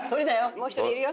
もう一人いるよ。